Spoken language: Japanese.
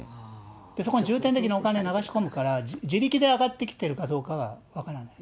そこに重点的にお金を流し込むから、自力って上がってきてるかどうかは分からない。